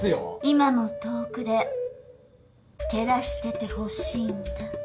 今も遠くで照らしててほしいんだ。